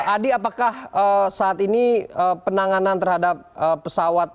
adi apakah saat ini penanganan terhadap pesawat